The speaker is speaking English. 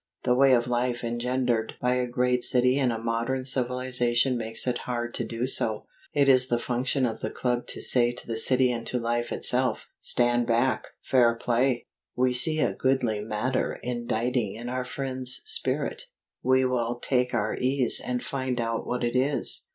The way of life engendered by a great city and a modern civilization makes it hard to do so. It is the function of the Club to say to the City and to Life Itself: "Stand back! Fair play! We see a goodly matter inditing in our friend's spirit. We will take our ease and find out what it is."